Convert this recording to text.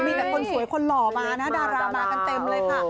มีแต่คนสวยคนหล่อมานะดารามากันเต็มเลยค่ะ